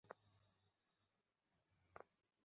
তাহার পর হইতে সে নিরুদ্দেশ।